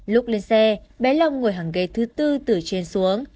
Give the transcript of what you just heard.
lúc lên xe bé long ngồi hàng ghế thứ tư từ trên xuống